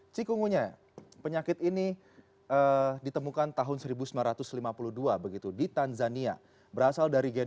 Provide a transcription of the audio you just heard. cikungunya penyakit ini ditemukan tahun seribu sembilan ratus lima puluh dua di tanzania